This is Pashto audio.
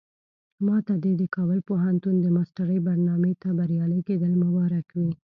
ماته دې د کابل پوهنتون د ماسترۍ برنامې ته بریالي کېدل مبارک وي.